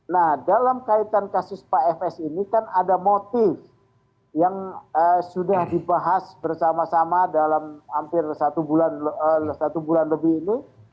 nah dalam kaitan kasus pak fs ini kan ada motif yang sudah dibahas bersama sama dalam hampir satu bulan lebih ini